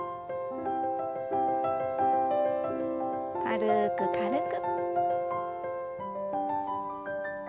軽く軽く。